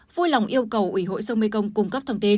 cầu ủy hội sông mekong cung cấp thông tin